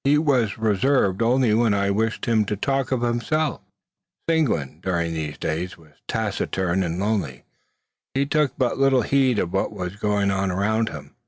He was reserved only when I wished him to talk of himself. Seguin during these days was taciturn and lonely. He took but little heed of what was going on around him.